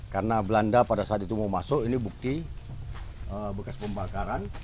karena belanda pada saat itu mau masuk ini bukti bekas pembakaran